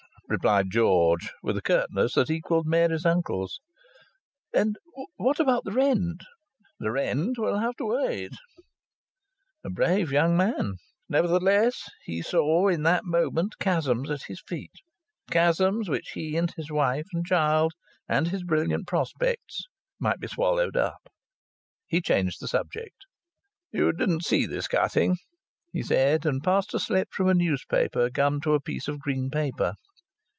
replied George, with a curtness that equalled Mary's uncle's. "And what about the rent?" "The rent will have to wait." A brave young man! Nevertheless he saw in that moment chasms at his feet chasms in which he and his wife and child and his brilliant prospects might be swallowed up. He changed the subject. "You didn't see this cutting," he said, and passed a slip from a newspaper gummed to a piece of green paper.